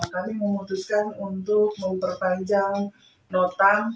kami memutuskan untuk memperpanjang nota